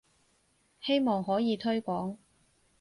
希望可以推廣